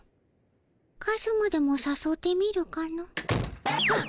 カズマでもさそうてみるかの。